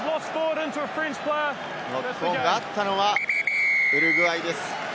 ノックオンがあったのはウルグアイです。